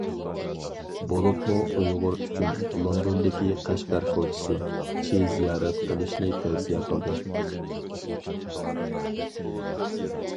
بولۇپمۇ ئۇيغۇر ئۈچۈن لوندوندىكى «قەشقەر كوچىسى» چى زىيارەت قىلىشىنى تەۋسىيە قىلدىم.